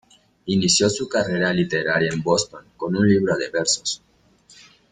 Inició su carrera literaria en Boston con un libro de versos.